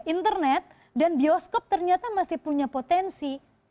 internet dan bioskop ternyata masih punya potensi gitu mungkin anak anak millenials